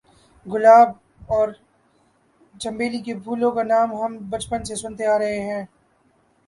گلاب اور چنبیلی کے پھولوں کا نام ہم بچپن سے سنتے آ رہے ہیں